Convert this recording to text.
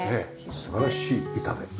素晴らしい板で。